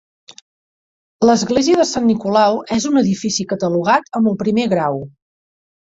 L'església de Sant Nicolau és un edifici catalogat amb el primer grau.